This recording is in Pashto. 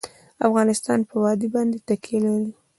افغانستان په وادي باندې تکیه لري.